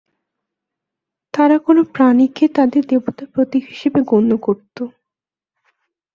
তারা কোনো কোনো প্রাণীকে তাদের দেবতার প্রতীক হিসেবে গণ্য করত।